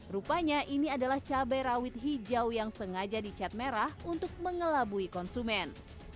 rupanya ini adalah cabai rawit hijau yang sengaja dicat merah untuk mengelabui konsumen